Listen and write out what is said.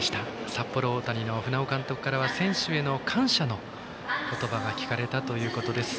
札幌大谷の船尾監督からは選手への感謝の言葉が聞かれたということです。